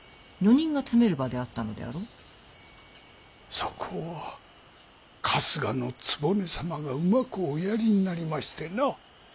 そこは春日局様がうまくおやりになりましてな。